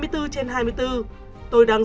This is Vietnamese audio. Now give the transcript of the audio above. hai mươi bốn trên hai mươi bốn tôi đang